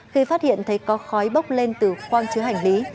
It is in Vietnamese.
khi phát hiện thấy có khói bốc lên từ khoang chứa hành lý